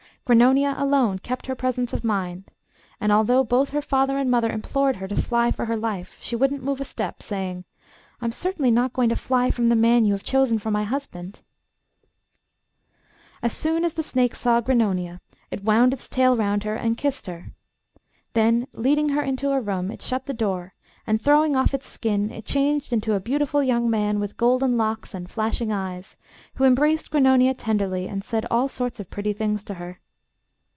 Grannonia alone kept her presence of mind, and although both her father and mother implored her to fly for her life, she wouldn't move a step, saying, 'I'm certainly not going to fly from the man you have chosen for my husband.' As soon as the snake saw Grannonia, it wound its tail round her and kissed her. Then, leading her into a room, it shut the door, and throwing off its skin, it changed into a beautiful young man with golden locks, and flashing eyes, who embraced Grannonia tenderly, and said all sorts of pretty things to her.